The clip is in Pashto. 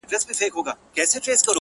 وه كلي ته زموږ راځي مـلـنگه ككـرۍ~